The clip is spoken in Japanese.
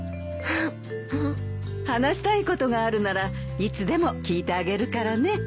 話したいことがあるならいつでも聞いてあげるからね。